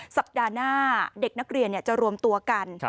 สัปดาห์หน้าเด็กนักเรียนจะรวมตัวกัน